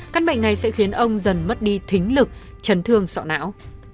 căn bệnh này sẽ khiến ông dần mất đi thính lực chấn thương sọ não